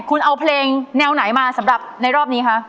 คุณเอาเพลงแนวไหนมาสำหรับในรอบนี้คะ